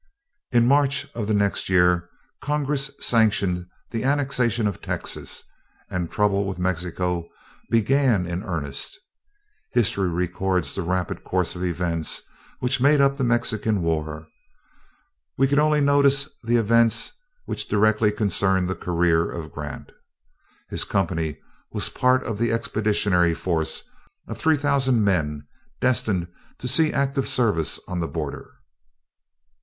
In March of the next year, Congress sanctioned the annexation of Texas, and trouble with Mexico began in earnest. History records the rapid course of events which made up the Mexican War. We can only notice the events which directly concern the career of Grant. His company was a part of the expeditionary force of three thousand men destined to see active service on the border.